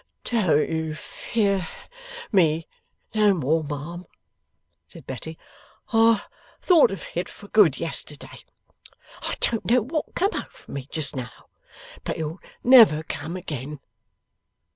'Don't you fear ME no more, ma'am,' said Betty; 'I thought of it for good yesterday. I don't know what come over me just now, but it'll never come again.